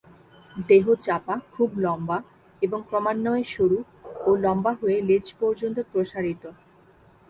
দেহ চাপা, খুব লম্বা এবং ক্রমান্বয়ে সরু ও লম্বা হয়ে লেজ পর্যন্ত প্রসারিত।